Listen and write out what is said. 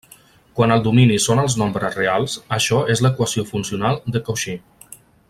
Quan el domini són els nombres reals, això és l'equació funcional de Cauchy.